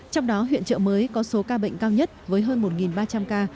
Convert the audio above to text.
trong đó huyện trợ mới có số ca bệnh cao nhất với hơn một ba trăm linh ca